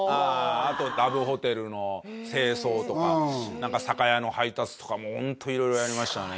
あとラブホテルの清掃とか何か酒屋の配達とかもホント色々やりましたね